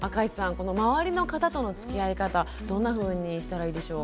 この周りの方とのつきあい方どんなふうにしたらいいでしょう？